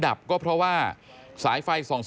ทางนิติกรหมู่บ้านแจ้งกับสำนักงานเขตประเวท